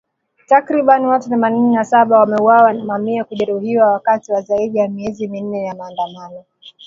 Takribani watu themanini na saba wameuawa na mamia kujeruhiwa wakati wa zaidi ya miezi minne ya maandamano